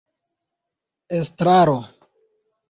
estraro